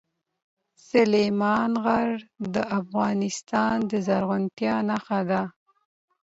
سلیمان غر د افغانستان د زرغونتیا نښه ده.